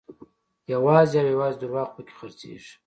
یوازې او یوازې درواغ په کې خرڅېږي.